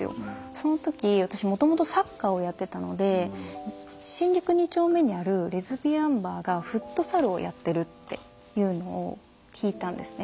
その時私もともとサッカーをやってたので新宿二丁目にあるレズビアンバーがフットサルをやってるっていうのを聞いたんですね。